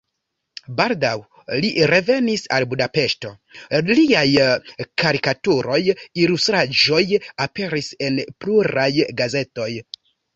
Baldaŭ li revenis al Budapeŝto, liaj karikaturoj, ilustraĵoj aperis en pluraj gazetoj.